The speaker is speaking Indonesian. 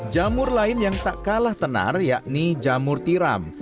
jamur lain yang tak kalah tenar yakni jamur tiram